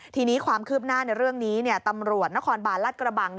ทีนี้ความคืบหน้าในเรื่องนี้ตำรวจนครบาลรัฐกระบัง